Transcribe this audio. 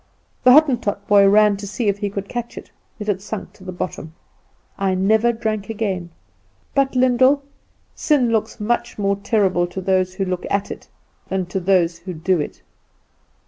The Hottentot boy ran down to see if he could catch it; it had sunk to the bottom. I never drank again. But, Lyndall, sin looks much more terrible to those who look at it than to those who do it.